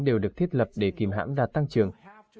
đều được thiết lập để kìm hãm đạt tăng trưởng